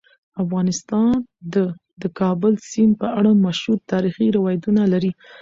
افغانستان د د کابل سیند په اړه مشهور تاریخی روایتونه لري.